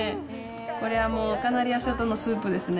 これはもうカナリア諸島のスープですね。